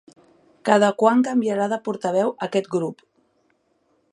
Cada quant canviarà de portaveu aquest grup?